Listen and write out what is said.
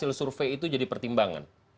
hasil survei itu jadi pertimbangan